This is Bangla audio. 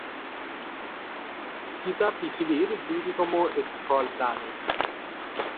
চিতা পৃথিবীর দ্রুততম স্থল প্রাণী।